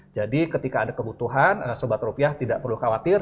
jadi ketika ada kebutuhan sobat rupiah tidak perlu khawatir